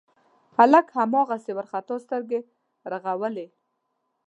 هلک هماغسې وارخطا سترګې رغړولې.